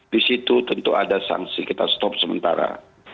disitu tentu ada sanksi kita stop sementara